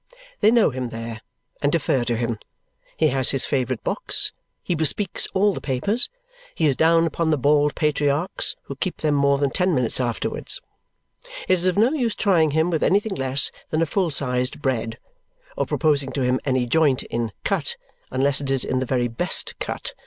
They know him there and defer to him. He has his favourite box, he bespeaks all the papers, he is down upon bald patriarchs, who keep them more than ten minutes afterwards. It is of no use trying him with anything less than a full sized "bread" or proposing to him any joint in cut unless it is in the very best cut.